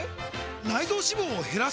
内臓脂肪を減らす！？